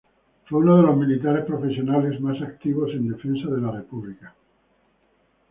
Fue uno de los militares profesionales más activos en la defensa de la República.